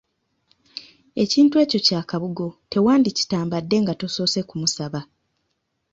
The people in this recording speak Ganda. Ekintu ekyo kya Kabugo tewandikitambadde nga tosoose kumusaba.